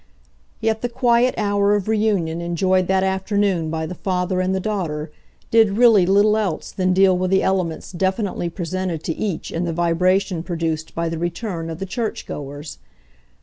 Yet the quiet hour of reunion enjoyed that afternoon by the father and the daughter did really little else than deal with the elements definitely presented to each in the vibration produced by the return of the church goers.